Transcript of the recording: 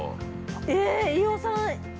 ◆えっ、飯尾さん。